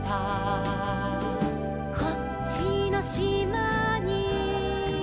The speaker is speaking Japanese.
「こっちのしまに」